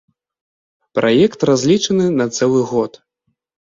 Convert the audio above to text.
Праект разлічаны на цэлы год.